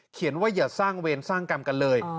ว่าอย่าสร้างเวรสร้างกรรมกันเลย